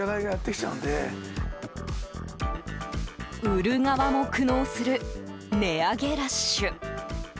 売る側も苦悩する値上げラッシュ。